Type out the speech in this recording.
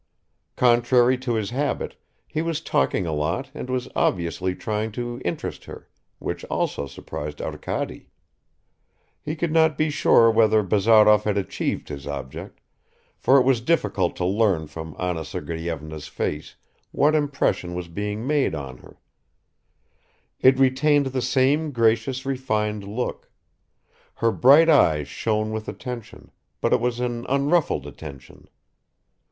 Contrary to his habit, he was talking a lot and was obviously trying to interest her which also surprised Arkady. He could not be sure whether Bazarov had achieved his object, for it was difficult to learn from Anna Sergeyevna's face what impression was being made on her; it retained the same gracious refined look; her bright eyes shone with attention, but it was an unruffled attention.